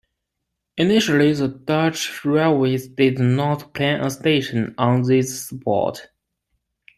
Initially the Dutch railways did not plan a station on this spot.